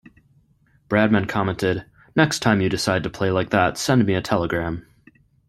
Bradman commented: "Next time you decide to play like that, send me a telegram".